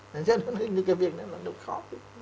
nói ra nó là cái việc đó nó khó